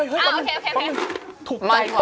ฮึยมันถูกใจวะ